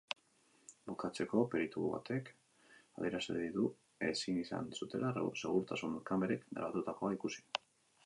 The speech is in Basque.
Bukatzeko, peritu batek adierazi du ezin izan zutela segurtasun kamerek grabatutakoa ikusi.